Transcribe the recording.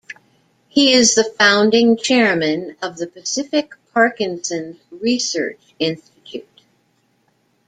He is the founding Chairman of the Pacific Parkinson's Research Institute.